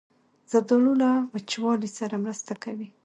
زردالو له وچوالي سره مرسته کوي.